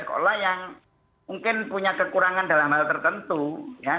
sekolah yang mungkin punya kekurangan dalam hal tertentu ya